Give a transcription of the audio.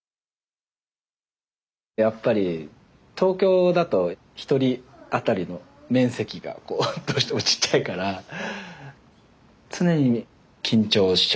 やっぱり東京だと１人当たりの面積がどうしてもちっちゃいから常に緊張しちゃうんだと思うんですよね。